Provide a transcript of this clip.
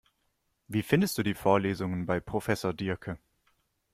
Wie findest du die Vorlesungen bei Professor Diercke?